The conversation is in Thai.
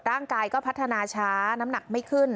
ร่างกายก็พัฒนาช้าน้ำหนักไม่ขึ้น